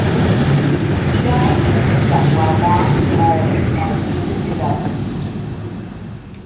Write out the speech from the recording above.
He died in a shipwreck while bound for Ireland and a season in Dublin.